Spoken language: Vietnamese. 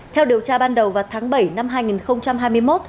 theo điều tra ban đầu vào tháng bảy năm hai nghìn hai mươi một